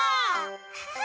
ハハハ。